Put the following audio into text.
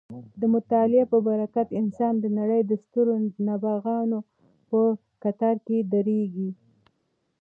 د مطالعې په برکت انسان د نړۍ د سترو نابغانو په کتار کې درېږي.